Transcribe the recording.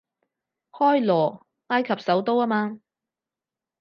開羅，埃及首都吖嘛